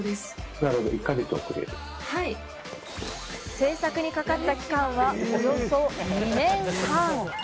製作にかかった期間はおよそ２年半。